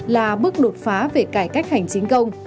là bước đột phá về cải cách hành chính công